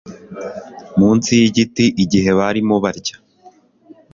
munsi y igiti igihe barimo barya